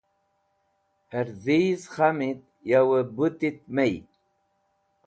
Hẽr dhiz khamit yo bũtit mey.